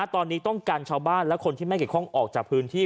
ตอนนี้ต้องกันชาวบ้านและคนที่ไม่เกี่ยวข้องออกจากพื้นที่